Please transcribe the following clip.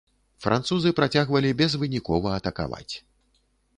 Французы працягвалі безвынікова атакаваць.